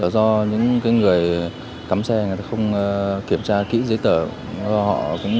do những người cắm xe không kiểm tra kỹ giấy tờ